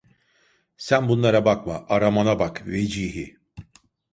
Sen bunlara bakma, aramana bak Vecihi.